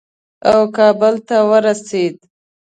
او کابل ته ورسېد.